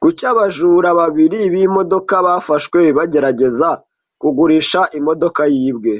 Kuki abajura babiri b'imodoka bafashwe bagerageza kugurisha imodoka yibwe